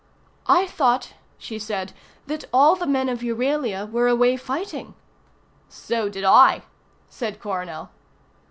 "I thought," she said, "that all the men of Euralia were away fighting." "So did I," said Coronel.